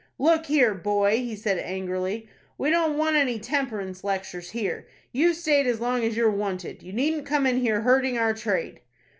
"Look here, boy," he said, angrily, "we don't want any temperance lectures here. You've stayed as long as you're wanted. You needn't come in here hurting our trade."